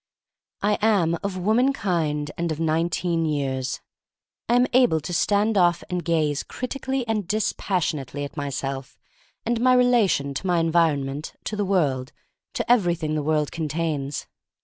I am of womankind and of nineteen years. I am able to stand off and gaze critically and dispassionately at myself and my relation to my environ ment, to the world, to everything the world contains.